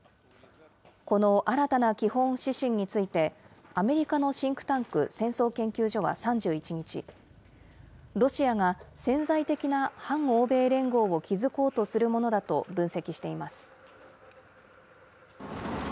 この新たな基本指針について、アメリカのシンクタンク戦争研究所は３１日、ロシアが潜在的な反欧米連合を築こうとするものだと分析しています。